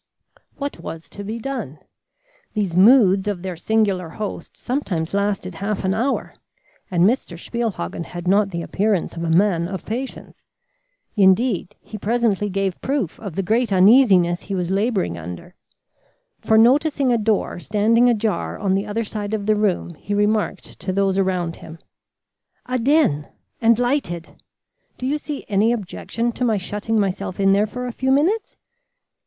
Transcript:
What was to be done? These moods of their singular host sometimes lasted half an hour, and Mr. Spielhagen had not the appearance of a man of patience. Indeed he presently gave proof of the great uneasiness he was labouring under, for noticing a door standing ajar on the other side of the room, he remarked to those around him: "A den! and lighted! Do you see any objection to my shutting myself in there for a few minutes?"